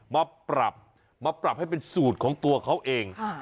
มาปรับมาปรับให้เป็นสูตรของตัวเขาเอง